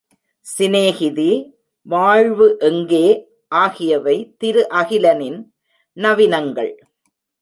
சிநேகிதி, வாழ்வு எங்கே? ஆகியவை திரு அகிலனின் நவினங்கள்.